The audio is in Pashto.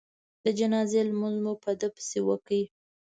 د جنازې لمونځ مو په ده پسې وکړ.